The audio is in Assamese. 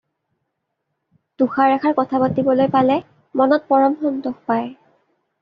দুষাৰ-এষাৰ কথা পাতিবলৈ পালে মনত পৰম সন্তোষ পায়।